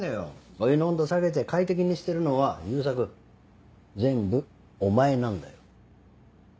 お湯の温度を下げて快適にしてるのは悠作全部お前なんだよ。